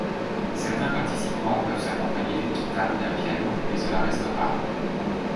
Certains participants peuvent s'accompagner d'une guitare ou d'un piano, mais cela reste rare.